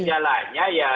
kalau melihat kejalannya ya